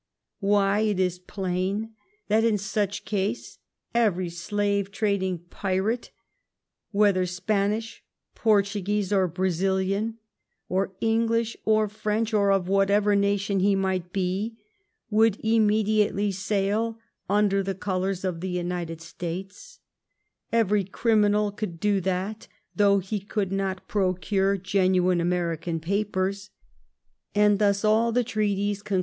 Why, it is plain that in such case every slaye trading pirate, whether Spanish, Portuguese, or Brazilian, or English, or French, or of whatever nation he might be, would immediately sail under the colours of the United States ; every criminal could do that, though he could not procure genuine American papers ; and thus all the treatiee ABERDEEN AT THE FOREIGN OFFICE.